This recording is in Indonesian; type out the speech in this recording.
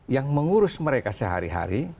yang mengurus mereka sehari hari